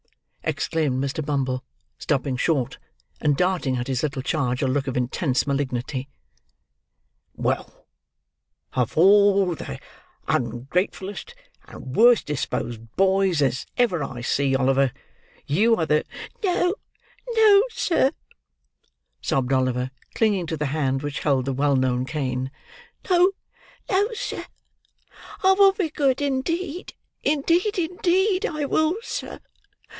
exclaimed Mr. Bumble, stopping short, and darting at his little charge a look of intense malignity. "Well! Of all the ungratefullest, and worst disposed boys as ever I see, Oliver, you are the—" "No, no, sir," sobbed Oliver, clinging to the hand which held the well known cane; "no, no, sir; I will be good indeed; indeed, indeed I will, sir!